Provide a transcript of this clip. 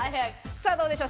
さあどうでしょう。